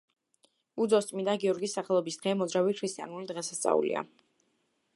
უძოს წმინდა გიორგის სახელობის დღე მოძრავი ქრისტიანული დღესასწაულია.